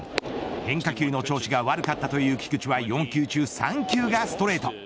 変化球の調子が悪かったという菊池は４球中３球がストレート。